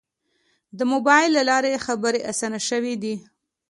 د موبایل له لارې خبرې آسانه شوې دي.